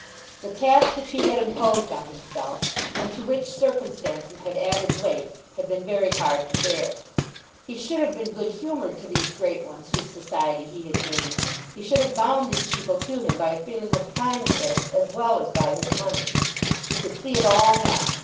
The task which he had imposed on himself, and to which circumstances had added weight, had been very hard to bear. He should have been good humoured to these great ones whose society he had gained. He should have bound these people to him by a feeling of kindness as well as by his money. He could see it all now.